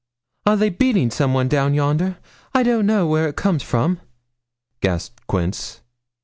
'Are they beating some one down yonder? I don't know where it comes from,' gasped Quince.